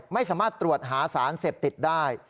ไม่สามารถตรวจหาสารเสพติดได้